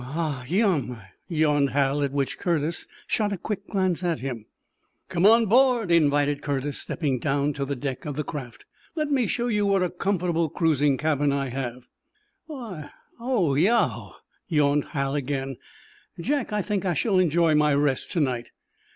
"Oh, hah, yum!" yawned Hal, at which Curtis shot a quick glance at him. "Come on board," invited Curtis, stepping down to the deck of the craft. "Let me show you what a comfortable cruising cabin I have." "Hi, oh, yow!" yawned Hal, again. "Jack, I think I shall enjoy my rest to night."